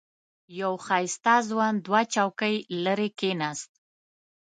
یو ښایسته ځوان دوه چوکۍ لرې کېناست.